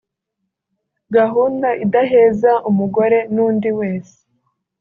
gahunda idaheza umugore n’undi wese